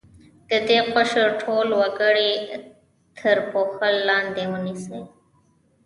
د دې قشر ټول وګړي تر پوښښ لاندې ونیسي.